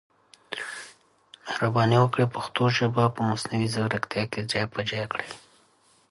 Together, these modes allow the blitter to draw individual flat-shaded polygons.